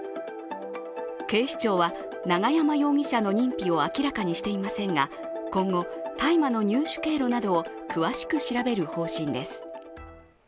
警視庁は永山容疑者の認否を明らかにしていませんが今後、大麻の入手経路などを詳しく調べる方針です。